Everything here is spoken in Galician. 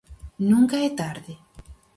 Nunca é tarde?